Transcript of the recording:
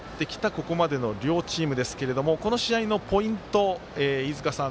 ここまでの両チームですがこの試合のポイント、飯塚さん